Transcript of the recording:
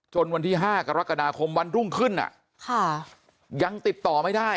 จนวันที่ห้ากรกฎาคมวันทุ่งขึ้นอ่ะค่ะยังติดต่อไม่ได้